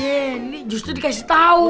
yee nih justru dikasih tau